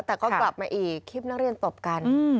แต่ก็กลับมาอีกคลิปนักเรียนตบกัน